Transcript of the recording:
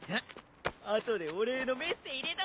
後でお礼のメッセ入れとこ！